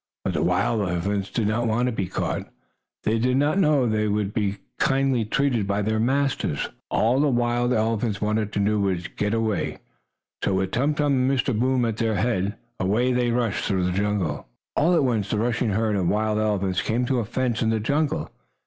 But the wild elephants did not want to be caught. They did not know they would be kindly treated by their masters. All the wild elephants wanted to do was to get away. So with Tum Tum and Mr. Boom at their head, away they rushed through the jungle. All at once the rushing herd of wild elephants came to a fence in the jungle.